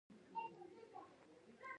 په زبر خېل بر سوات ارکوټ سره لیکل شوی دی.